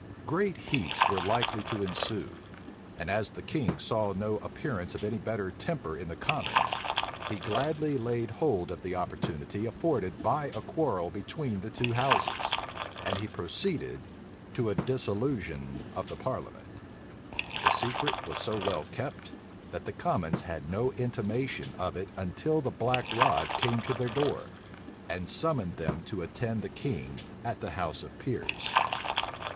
Great heats were likely to ensue; and as the king saw no appearance of any better temper in the commons, he gladly laid hold of the opportunity afforded by a quarrel between the two houses, and he proceeded to a dissolution of the parliament. The secret was so well kept, that the commons had no intimation of it till the black rod came to their door, and summoned them to attend the king at the house of peers.